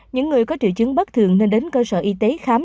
những người có triệu chứng bất thường nên đến cơ sở y tế khám